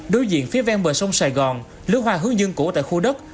đối diện phía ven bờ sông sài gòn lứa hoa hướng dương cổ tại khu đất